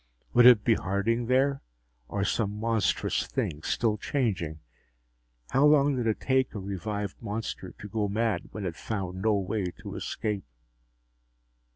Would it be Harding there or some monstrous thing still changing? How long did it take a revived monster to go mad when it found no way to escape?